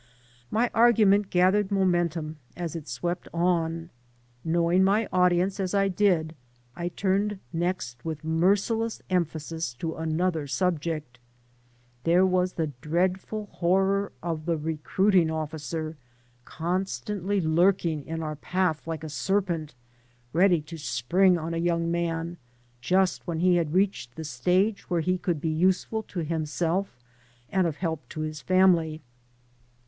My argument gathered momentum as it swept on. Knowing my audience as I did, I turned next with merciless emphasis to another subject. There was the dreadful horror of the recruiting officer constantly lurking in our path like a serpent, ready to spring on a young man just when he had reached the stage where he could be useful to himself and of help to his family.